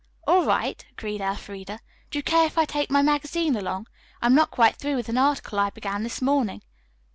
"All right," agreed Elfreda. "Do you care if I take my magazine along? I am not quite through with an article I began this morning."